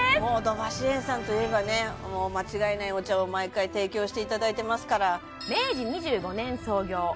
もう土橋園さんといえばねもう間違いないお茶を毎回提供していただいてますから明治２５年創業